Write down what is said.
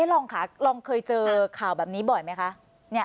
รองค่ะลองเคยเจอข่าวแบบนี้บ่อยไหมคะ